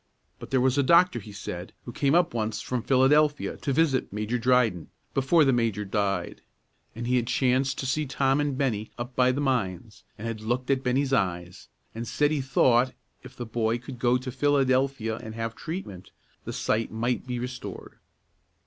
But there was a doctor, he said, who came up once from Philadelphia to visit Major Dryden, before the major died; and he had chanced to see Tom and Bennie up by the mines, and had looked at Bennie's eyes, and said he thought, if the boy could go to Philadelphia and have treatment, that sight might be restored.